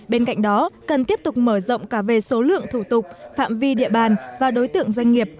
bên cạnh đó cần tiếp tục mở rộng cả về số lượng thủ tục phạm vi địa bàn và đối tượng doanh nghiệp